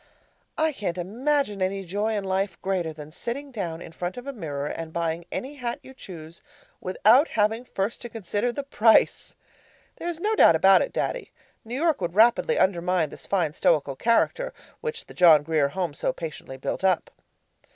I can't imagine any joy in life greater than sitting down in front of a mirror and buying any hat you choose without having first to consider the price! There's no doubt about it, Daddy; New York would rapidly undermine this fine stoical character which the John Grier Home so patiently built up.